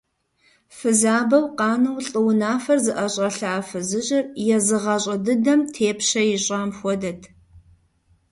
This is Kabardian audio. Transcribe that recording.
Фызабэу къанэу лӏы унафэр зыӏэщӏэлъа а фызыжьыр езы гъащӏэ дыдэм тепщэ ищӏам хуэдэт.